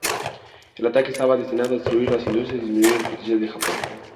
El ataque estaba destinado a destruir las industrias y disminuir el potencial de Japón.